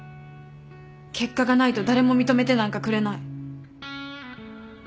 結果がないと誰も認めてなんかくれない。